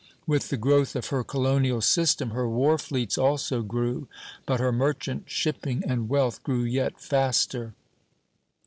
With the growth of her colonial system her war fleets also grew, but her merchant shipping and wealth grew yet faster.